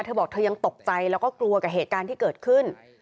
เธอบอกเธอยังตกใจแล้วก็กลัวกับเหตุการณ์ที่เกิดขึ้น